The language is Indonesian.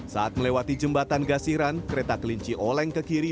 saat melewati jembatan gasiran kereta kelinci oleng ke kiri